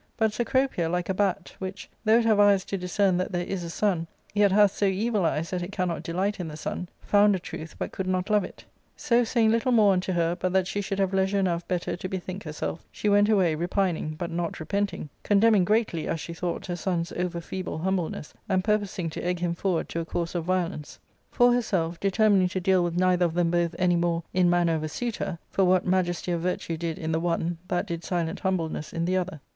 But Cecropia, like a bat, which, though it have eyes to discern that there is a sun, yet hath so evil eyes that it cannot delight in the sun, found a truth, but could not love it So, saying little more unto her, but that she should have leisure enough better to bethink herself, she went away, repining, but not repenting, con demning greatly, as she thought, her son's over feeble humble ness, and purposing to t%% him forward to a course of violence. For herself, determining to deal with neither of them both any more in manner of a suitor ; for what majesty of virtue did in the one that did silent humbleness in the other.